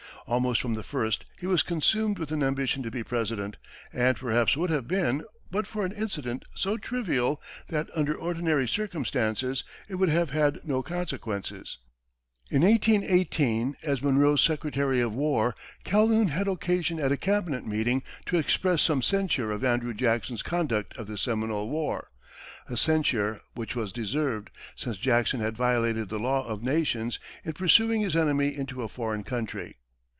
Almost from the first, he was consumed with an ambition to be President, and perhaps would have been, but for an incident so trivial that, under ordinary circumstances, it would have had no consequences. In 1818, as Monroe's secretary of war, Calhoun had occasion at a cabinet meeting to express some censure of Andrew Jackson's conduct of the Seminole war a censure which was deserved, since Jackson had violated the law of nations in pursuing his enemy into a foreign country.